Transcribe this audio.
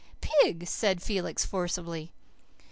"Pig!" said Felix forcibly.